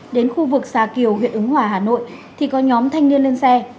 đến khu vực xà kiều huyện ứng hòa hà nội thì có nhóm thanh niên lên xe